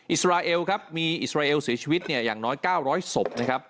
อิสราเอลครับมีอิสราเอลเสียชีวิตเนี่ยอย่างน้อย๙๐๐ศพนะครับ